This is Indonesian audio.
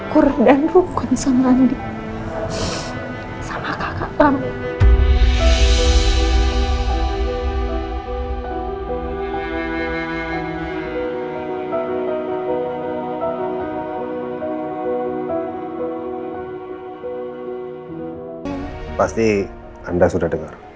kamu harus bisa berdamping